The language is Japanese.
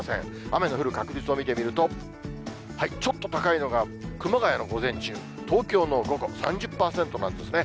雨の降る確率を見てみると、ちょっと高いのが熊谷の午前中、東京の午後３０％なんですね。